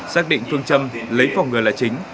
xác định phương châm lấy phòng ngừa là chính